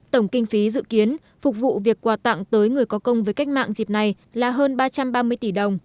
tổng kinh phí dự kiến phục vụ việc quà tặng tới người có công với cách mạng dịp này là hơn ba trăm ba mươi tỷ đồng